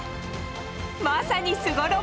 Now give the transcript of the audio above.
まさに「すごロボ」！